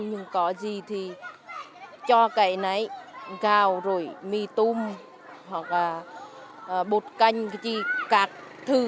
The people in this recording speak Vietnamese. nhưng có gì thì cho cái này gạo rồi mì tôm hoặc bột canh các thứ